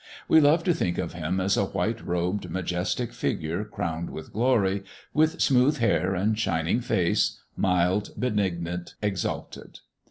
We love to think of Him as a white robed, majestic figure crowned with glory, with smooth hair and shining face mild, benignant, exalted.